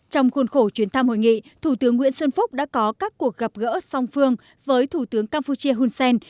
trong khuôn khổ chuyến thăm hội nghị thủ tướng nguyễn xuân phúc đã có các cuộc gặp gỡ song phương với thủ tướng campuchia hun sen